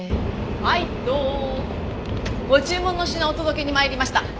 まいど！ご注文の品お届けに参りました。